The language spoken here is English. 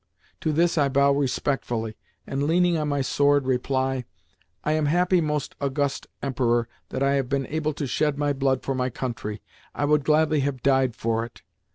To this I bow respectfully, and, leaning on my sword, reply, "I am happy, most august Emperor, that I have been able to shed my blood for my country. I would gladly have died for it.